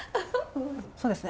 そうですね。